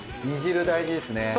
煮汁大事ですね。